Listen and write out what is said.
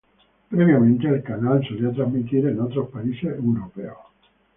Previamente, el canal solía transmitir en otros países europeos.